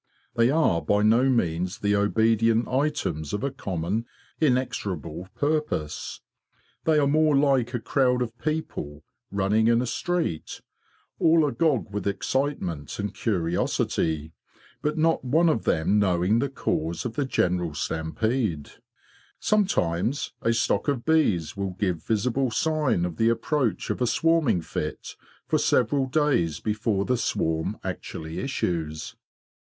They are by no means the obedient items of a common inexorable purpose. They are more like a crowd of people running in a street, all agog with excitement and curiosity, but not one of them knowing the cause of the general stampede. Sometimes a stock of bees will give visible sign of the approach of a swarming fit for several days before the swarm actually issues.